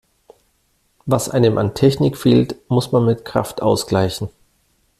Was einem an Technik fehlt, muss man mit Kraft ausgleichen.